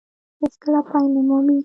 هېڅ کله پای نه مومي.